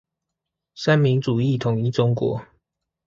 三民主義統一中國